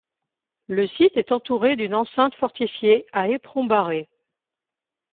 Le site est entouré d'une enceinte fortifiée à éperon barré.